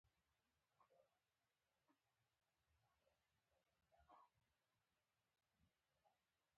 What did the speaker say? ولې استاده جنت دې پر ما نه لورېږي.